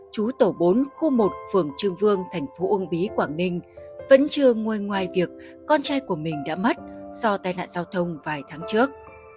chú tổ bốn khu một phường trương vương thành phố uông bí quảng ninh vẫn chưa ngôi ngoài việc con trai của mình đã mất do tai nạn giao thông vài tháng trước